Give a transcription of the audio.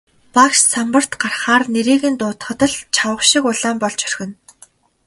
Багш самбарт гаргахаар нэрийг нь дуудахад л чавга шиг улаан юм болж орхино.